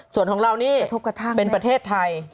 ส่วนของเรานี่เป็นประเทศไทย